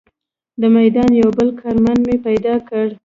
د میدان یو بل کارمند مې پیدا کړ.